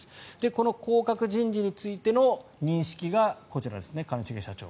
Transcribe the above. この降格人事についての認識がこちらですね、兼重社長。